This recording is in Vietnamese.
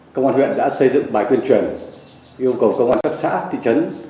công an huyện đã xây dựng bài tuyên truyền yêu cầu công an các xã thị trấn